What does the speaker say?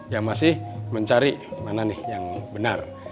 yang masih mencari mana nih yang benar